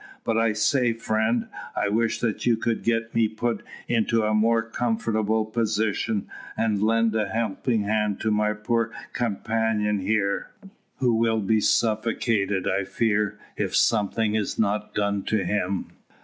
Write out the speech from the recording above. "But I say, friend, I wish that you could get me put into a more comfortable position, and lend a helping hand to my poor companion here, who will be suffocated, I fear, if something is not done to him."